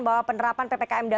bahwa penerapan ppkm darurat